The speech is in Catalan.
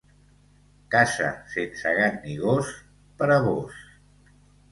Casa sense gat ni gos, per a vós.